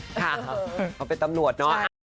ค่ะเขาเป็นตำนวดเนอะใช่